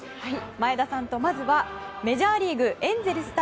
前田さんと、まずはメジャーリーグエンゼルス対